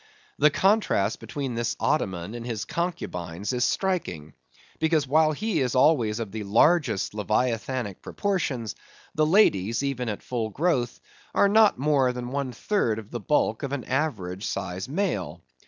The contrast between this Ottoman and his concubines is striking; because, while he is always of the largest leviathanic proportions, the ladies, even at full growth, are not more than one third of the bulk of an average sized male.